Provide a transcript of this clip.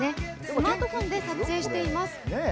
スマートフォンで撮影しています。